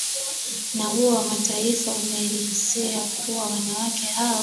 a huo wa mataifa umeeleza kuwa wanawake hao